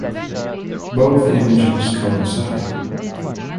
Both images coincide.